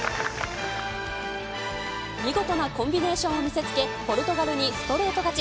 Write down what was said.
見事なコンビネーションを見せつけ、ポルトガルにストレート勝ち。